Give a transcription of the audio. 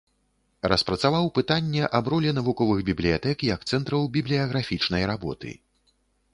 Распрацаваў пытанне аб ролі навуковых бібліятэк як цэнтраў бібліяграфічнай работы.